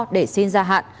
để xin ra hạn